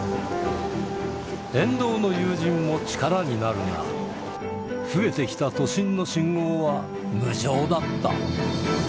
沿道の友人も力になるが、増えてきた都心の信号は、無情だった。